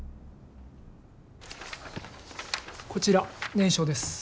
こちら念書です。